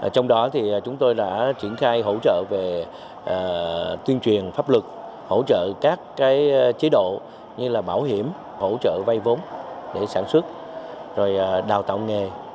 trong đó thì chúng tôi đã triển khai hỗ trợ về tuyên truyền pháp luật hỗ trợ các chế độ như là bảo hiểm hỗ trợ vay vốn để sản xuất rồi đào tạo nghề